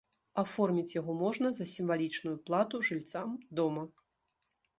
Аформіць яго можна за сімвалічную плату жыльцам дома.